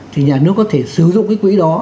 thì nhà nước có thể sử dụng cái quỹ đó